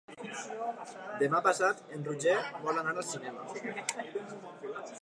Demà passat en Roger vol anar al cinema.